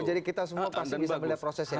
jadi kita semua pasti bisa melihat prosesnya